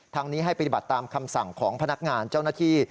นี้ให้ปฏิบัติตามคำสั่งของพนักงานเจ้าหน้าที่